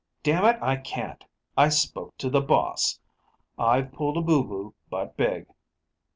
"Damn it, I can't! I spoke to The Boss. I've pulled a boo boo, but big."